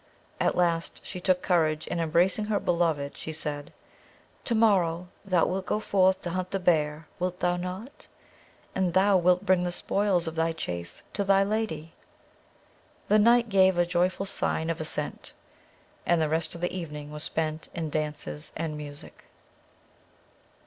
At last she took courage, and embracing her beloved, she said: "To morrow thou wilt go forth to hunt the bear, wilt thou not? and thou wilt bring the spoils of the chase to thy lady?" The knight gave a joyful sign of assent; and the rest of the evening was spent in dances and music.